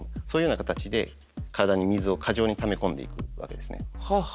そういうような形で体に水を過剰にため込んでいくわけですね。